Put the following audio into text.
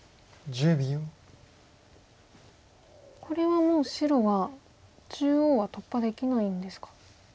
これはもう白は中央は突破できないんですか。